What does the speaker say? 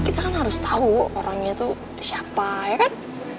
kita kan harus tahu orangnya tuh siapa ya kan